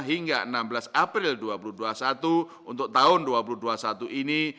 hingga enam belas april dua ribu dua puluh satu untuk tahun dua ribu dua puluh satu ini